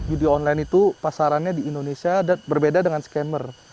judi online itu pasarannya di indonesia berbeda dengan scanmer